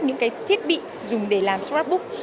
những cái thiết bị dùng để làm scrapbook